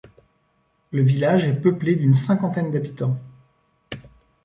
Le village est peuplé d'une cinquantaine d'habitants.